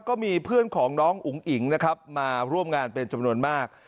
ก็มีเพื่อนของน้องอุ๋งอิ๋งนะครับมาร่วมงานเป็นจำนวนมาก